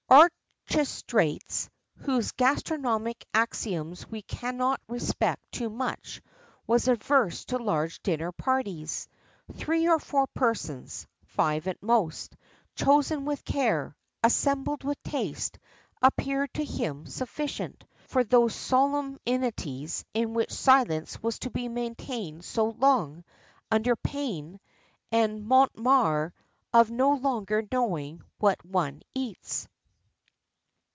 Archestrates, whose gastronomic axioms we cannot respect too much, was averse to large dinner parties. Three or four persons five at most chosen with care, assembled with taste, appeared to him sufficient[XXXIV 7] for those solemnities in which silence was to be maintained so long, under pain, said Montmaur, of no longer knowing what one eats.